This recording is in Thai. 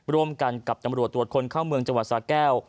ร่วมกันกับตำรวจตรวจคนเข้าเมืองจังหวัดสาแก้ว